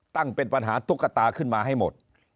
ตั้งเป็นปัญหาตุ๊กตาขึ้นมาให้หมด